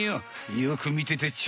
よくみててちょ。